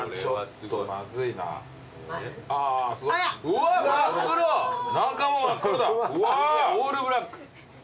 すごいオールブラック。